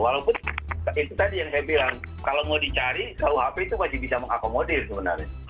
walaupun itu tadi yang saya bilang kalau mau dicari kuhp itu masih bisa mengakomodir sebenarnya